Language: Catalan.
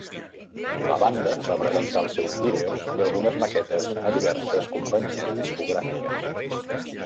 La banda va presentar els seus vídeos i algunes maquetes a diverses companyies discogràfiques.